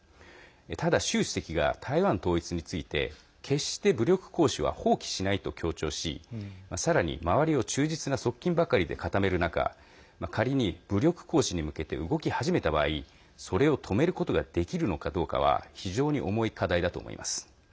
ただ、習主席が台湾統一について決して武力行使は放棄しないと強調しさらに周りを忠実な側近ばかりで固める中仮に武力行使に向けて動き始めた場合それを止めることができるのかどうかは非常に重い課題だと思います。